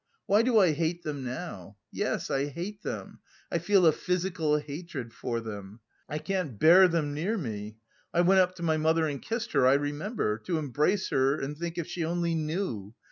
Why do I hate them now? Yes, I hate them, I feel a physical hatred for them, I can't bear them near me.... I went up to my mother and kissed her, I remember.... To embrace her and think if she only knew...